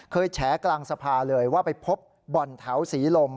แฉกลางสภาเลยว่าไปพบบ่อนแถวศรีลม